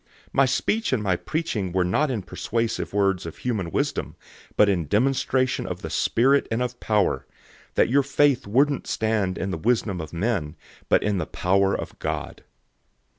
002:004 My speech and my preaching were not in persuasive words of human wisdom, but in demonstration of the Spirit and of power, 002:005 that your faith wouldn't stand in the wisdom of men, but in the power of God.